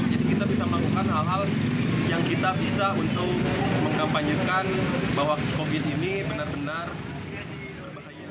jadi kita bisa melakukan hal hal yang kita bisa untuk mengkampanyekan bahwa covid sembilan belas ini benar benar berbahaya